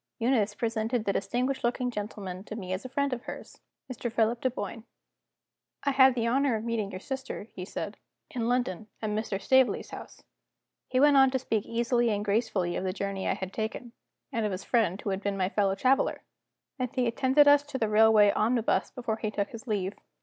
Eunice presented the distinguished looking gentleman to me as a friend of hers Mr. Philip Dunboyne. "I had the honor of meeting your sister," he said, "in London, at Mr. Staveley's house." He went on to speak easily and gracefully of the journey I had taken, and of his friend who had been my fellow traveler; and he attended us to the railway omnibus before he took his leave.